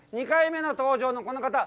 ２回目の登場のこの方。